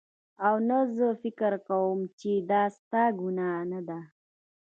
او نه زه فکر کوم چې دا ستا ګناه نده